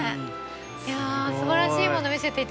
いやすばらしいもの見せていただいた。